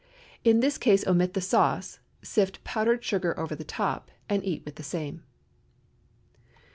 In this case omit the sauce, sift powdered sugar over the top, and eat with the same.